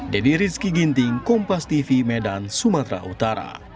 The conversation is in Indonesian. deddy rizky ginting kompas tv medan sumatera utara